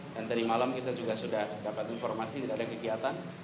dan tadi malam kita juga sudah dapat informasi dari kegiatan